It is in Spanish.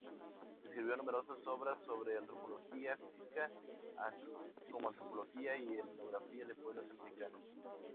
Escribió numerosas obras sobre antropología física, así como antropología y etnografía de pueblos americanos.